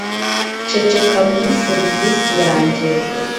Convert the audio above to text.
ceceka muri serivisi yanjye